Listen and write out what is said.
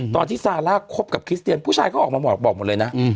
ตอนที่ซาร่าคบกับคริสเตียนผู้ชายเขาออกมาบอกหมดเลยนะ